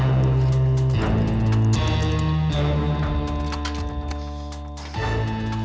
nah udah t credit